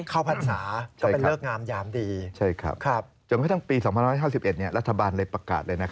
เข้าผันศาก็เป็นเลิกงามยามดีครับจนไม่ตั้งปี๒๙๕๑เนี่ยรัฐบาลเลยประกาศเลย